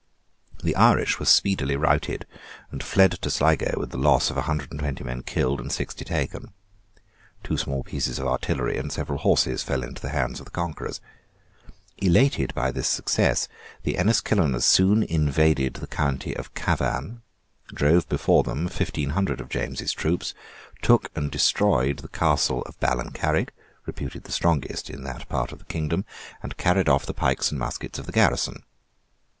The Irish were speedily routed, and fled to Sligo with the loss of a hundred and twenty men killed and sixty taken. Two small pieces of artillery and several horses fell into the hands of the conquerors. Elated by this success, the Enniskilleners soon invaded the county of Cavan, drove before them fifteen hundred of James's troops, took and destroyed the castle of Ballincarrig, reputed the strongest in that part of the kingdom, and carried off the pikes and muskets of the garrison.